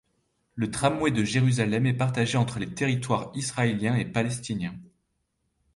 Le tramway de Jérusalem est partagé entre territoires israélien et palestinien.